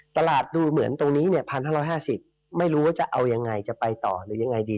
ตลาดดูเหมือนตรงนี้๑๕๕๐ไม่รู้ว่าจะเอายังไงจะไปต่อหรือยังไงดี